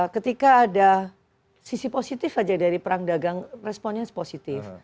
ketika ada sisi positif saja dari perang dagang responnya positif